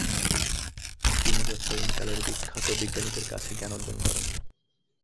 তিনি তৎকালীন কালের বিখ্যাত বিজ্ঞানীদের কাছে জ্ঞান অর্জন করেন।